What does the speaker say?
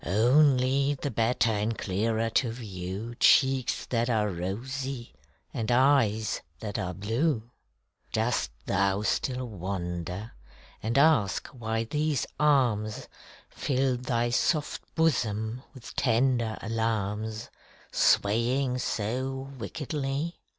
Only the better and clearer to view Cheeks that are rosy and eyes that are blue. Dost thou still wonder, and ask why these arms Fill thy soft bosom with tender alarms, Swaying so wickedly?